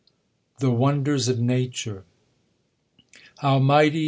The Woxders of Nature. HOW mighty